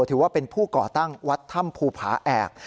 ถือว่าเป็นผู้ก่อตั้งวัดถ้ำภูผาแอก